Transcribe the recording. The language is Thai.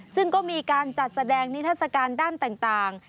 ซึ่งก็มีการจัดแสดงนิทัศกาลด้านต่าง